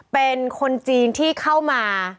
เป็นคนจีนที่เข้ามา